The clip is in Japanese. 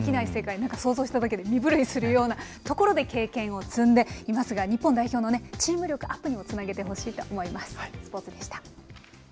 なんか想像しただけで身ぶるいするようなところで経験を積んでいますが、日本代表のチーム力アップにもつなげてほしいと思います。